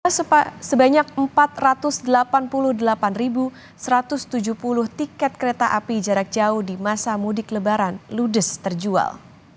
sebanyak empat ratus delapan puluh delapan satu ratus tujuh puluh tiket kereta api jarak jauh di masa mudik lebaran ludes terjual